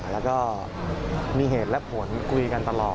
แล้วก็มีเหตุและผลคุยกันตลอด